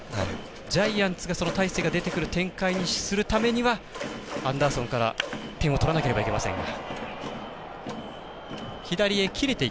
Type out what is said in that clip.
ジャイアンツが大勢が出てくる展開にするためにはアンダーソンから点を取らなければいけませんが。